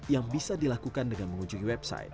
yang bisa dilakukan dengan mengunjungi website